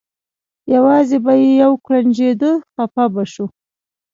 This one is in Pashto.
یوازې به یې یو کوړنجېده خپه به شو.